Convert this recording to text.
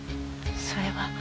それは。